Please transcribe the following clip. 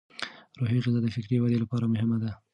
روحي غذا د فکري ودې لپاره مهمه ده.